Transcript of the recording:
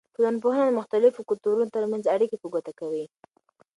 ټولنپوهنه د مختلفو کلتورونو ترمنځ اړیکې په ګوته کوي.